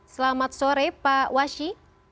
selamat sore pak washi